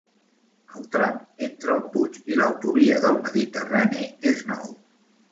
El tram entre el Puig i l'Autovia del Mediterrani és nou.